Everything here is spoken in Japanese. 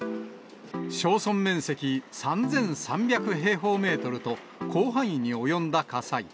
焼損面積３３００平方メートルと、広範囲に及んだ火災。